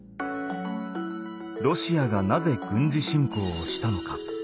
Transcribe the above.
ロシアがなぜ軍事侵攻をしたのか？